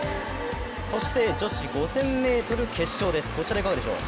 そして女子５０００ｍ決勝です、こちらいかがでしょう。